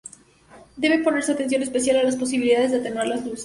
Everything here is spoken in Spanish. Debe ponerse atención especial a la posibilidad de atenuar las luces.